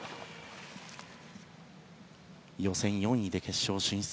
予選４位で決勝進出。